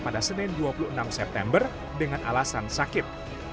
pada senin dua puluh enam september dengan alasan sakit